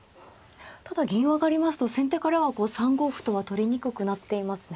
ただ銀を上がりますと先手からはこう３五歩とは取りにくくなっていますね。